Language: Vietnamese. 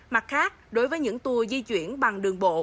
mặt khác đối với những tour di chuyển bằng đường bộ